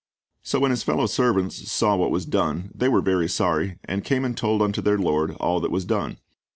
So when his fellow servants saw what was done, they were very sorry, and came and told unto their lord all that was done.